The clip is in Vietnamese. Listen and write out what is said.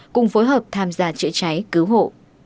cùng phối hợp tham gia chữa cháy cứu hộ